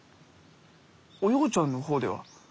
おようちゃんの方では？